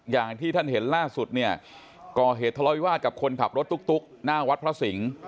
อย่างที่ท่านเห็นล่าสุดเนี่ยก่อเหตุทะเลาวิวาสกับคนขับรถตุ๊กหน้าวัดพระสิงศ์